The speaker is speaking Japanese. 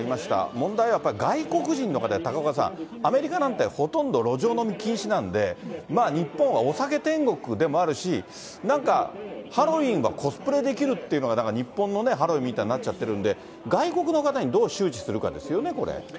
問題はやっぱ外国人の方、高岡さん、アメリカなんてほとんど路上飲み禁止なんで、まあ日本はお酒天国でもあるし、なんかハロウィーンはコスプレできるっていうのが、日本のハロウィーンみたいになっちゃってるんで、外国の方にどう周知するかですよね、これ。